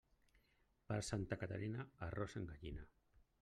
Per Santa Caterina, arròs en gallina.